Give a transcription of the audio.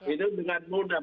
itu dengan mudah